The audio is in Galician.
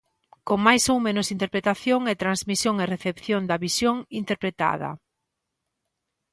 Con máis ou menos interpretación, e transmisión e recepción da visión interpretada.